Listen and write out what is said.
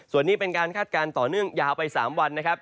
ส่วนนี้เป็นการคาดการณ์ต่อเนื่องยาวไป๓วันนะครับ